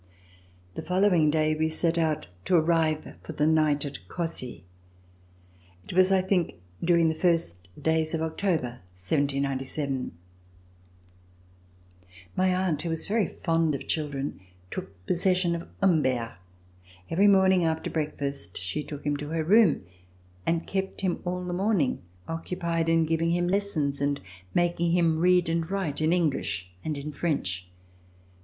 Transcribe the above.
The following day we set out to arrive for the night at Cossey. It was, I think, during the first days of October, 1797. My aunt, who was very fond of children, took possession of Humbert. Every morning after break fast she took him to her room and kept him all the morning, occupied in giving him lessons and making him read and write in English and in French.